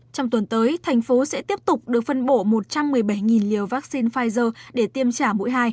trong tuần tới thành phố sẽ tiếp tục được phân bổ một trăm một mươi bảy liều vaccine pfizer để tiêm trả mũi hai